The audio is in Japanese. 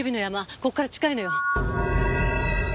ここから近いのよ。